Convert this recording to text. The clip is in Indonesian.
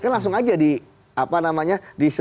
kan langsung aja di apa namanya